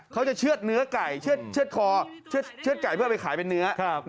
เชื่อดเนื้อไก่เชื่อดคอเชื่อดไก่เพื่อไปขายเป็นเนื้อ